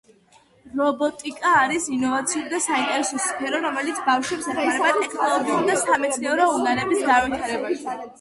რობოტიკა არის ინოვაციური და საინტერესო სფერო, რომელიც ბავშვებს ეხმარება ტექნოლოგიური და სამეცნიერო უნარების განვითარებაში